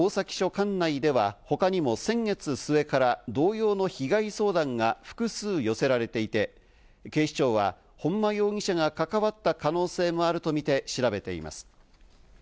管内では、他にも先月末から同様の被害相談が複数寄せられていて、警視庁は本間容疑者が関わった可能性もあるとみて調べています。